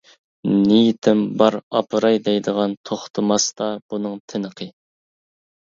نىيىتىم بار ئاپىراي دەيدىغان توختىماستا ئۇنىڭ تىنىقى.